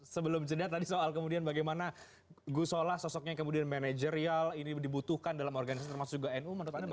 sebelum jenat tadi soal kemudian bagaimana ghosnola sosoknya kemudian manajerial ini dibutuhkan dalam organisasi termasuk juga nu